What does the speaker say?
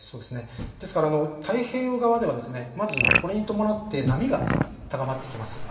ですから太平洋側ではまずこれに伴って波が高まってきます。